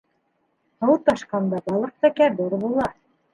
Һыу ташҡанда балыҡ тәкәббер була.